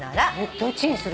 どっちにする？